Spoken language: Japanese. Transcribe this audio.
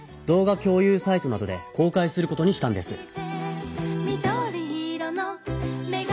動画きょう有サイトなどで公開することにしたんです。